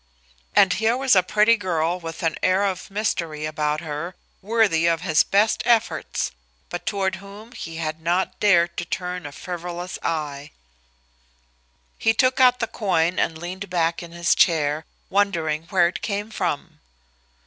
And here was a pretty girl with an air of mystery about her, worthy of his best efforts, but toward whom he had not dared to turn a frivolous eye. He took out the coin and leaned back in his chair, wondering where it came from.